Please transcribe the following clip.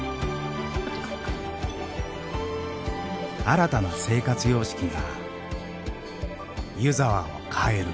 新たな生活様式が湯沢を変える。